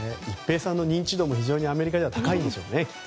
一平さんの認知度もアメリカでは高いんでしょうね。